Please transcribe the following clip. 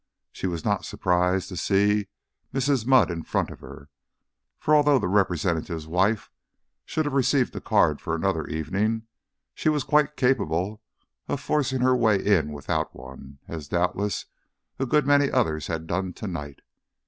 She was not surprised to see Mrs. Mudd in front of her, for although the Representative's wife should have received a card for another evening, she was quite capable of forcing her way in without one; as doubtless a good many others had done to night.